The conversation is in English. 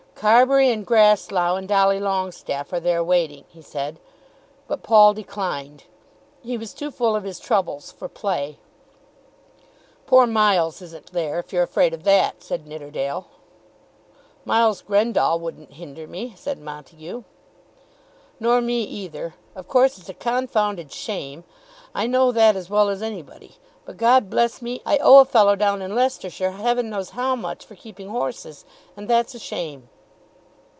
"Carbury, and Grasslough, and Dolly Longestaffe are there waiting," he said. But Paul declined. He was too full of his troubles for play. "Poor Miles isn't there, if you're afraid of that," said Nidderdale. "Miles Grendall wouldn't hinder me," said Montague. "Nor me either. Of course it's a confounded shame. I know that as well as any body. But, God bless me, I owe a fellow down in Leicestershire heaven knows how much for keeping horses, and that's a shame."